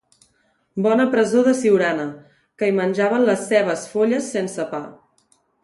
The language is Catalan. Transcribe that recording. Bona presó de Siurana, que hi menjaven les cebes folles sense pa.